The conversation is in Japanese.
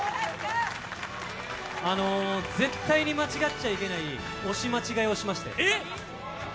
絶対に間違っちゃいけない、押し間違いをしまして。